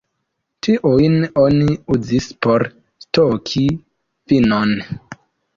Tiujn oni uzis por stoki vinon.